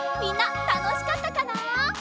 みんなたのしかったかな？